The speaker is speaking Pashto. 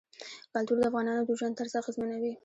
کلتور د افغانانو د ژوند طرز اغېزمنوي.